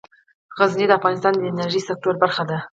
غزني د افغانستان د انرژۍ سکتور برخه ده.